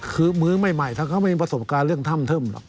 คือมือใหม่ถ้าเขาไม่มีประสบการณ์เรื่องถ้ำเทิมหรอก